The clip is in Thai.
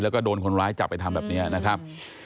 แล้วก็โดนคนร้ายจับไปทำแบบนี้นะครับ